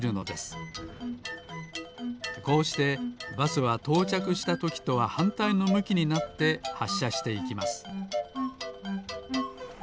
こうしてバスはとうちゃくしたときとははんたいのむきになってはっしゃしていきます。